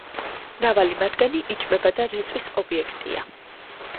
მრავალი მათგანი იჭმება და რეწვის ობიექტია.